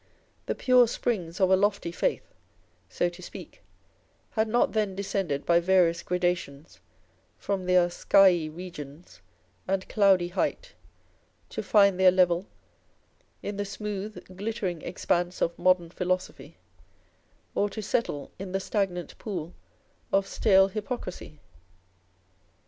The pure springs of a lofty faith (so to speak) had not then descended by various gradations from their skyey regions and cloudy height, to find their level in the smooth, glittering expanse of modern philo sophy, or to settle in the stagnant pool of stale hypocrisy